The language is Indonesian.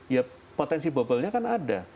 ya potensi bobelnya kan ada